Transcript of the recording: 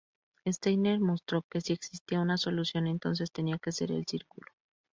Steiner mostró que si existía una solución, entonces tenía que ser el círculo.